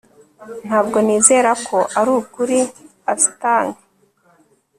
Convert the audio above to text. Ntabwo nizera ko arukuri astyng